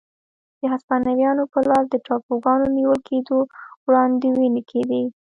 د هسپانویانو په لاس د ټاپوګانو نیول کېدو وړاندوېنې کېدې.